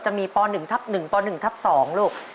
จะมีป๑ทับ๑ป๑ทับ๒ลูก